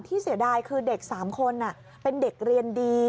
เสียดายคือเด็ก๓คนเป็นเด็กเรียนดี